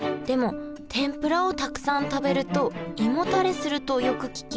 でも天ぷらをたくさん食べると胃もたれするとよく聞きますよね